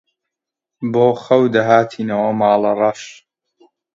بۆ خەو دەهاتینەوە ماڵەڕەش